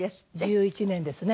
１１年ですね。